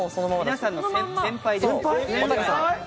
皆さんの先輩です。